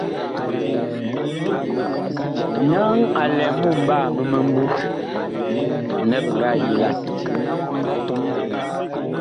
Naŋ a lɛ mumɓaa mi mimbu nɛ bi ngaa yilan.